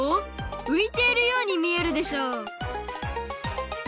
ういてるようにみえるでしょ！